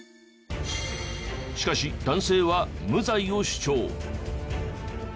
しかし男性は無罪を主張。